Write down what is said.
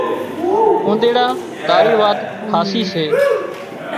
اونۮيڙا تاري وات هاسي سي